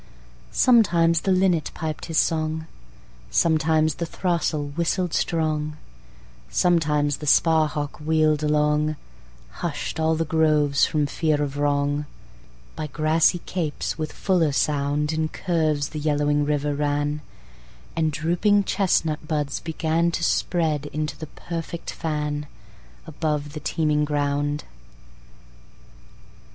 Sometimes the linnet piped his song; Sometimes the throstle whistled strong; Sometimes the sparhawk, wheel'd along, Hush'd all the groves from fear of wrong; By grassy capes with fuller sound In curves the yellowing river ran, And drooping chestnut buds began To spread into the perfect fan, Above the teeming ground.